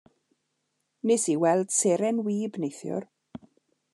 Wnes i weld seren wib neithiwr.